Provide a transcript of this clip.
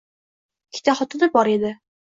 Ikkita xotini bor edi.